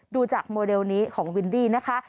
ดูจากโมเดลนี้ของวินดี้นะคะ